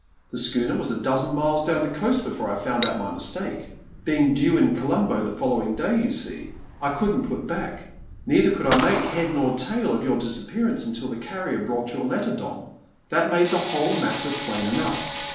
The schooner was a dozen miles down the coast before I found out my mistake. Being due in Colombo the following day, you see, I couldn't put back. Neither could I make head nor tail of your disappearance until the carrier brought your letter, Don. That made the whole matter plain enough.